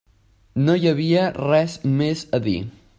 No hi havia res més a dir.